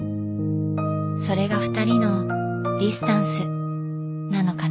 それがふたりのディスタンスなのかな？